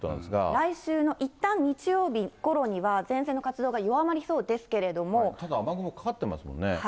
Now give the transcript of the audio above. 来週の、いったん日曜日ごろには、前線の活動が弱まりそうでただ雨雲かかってますからね。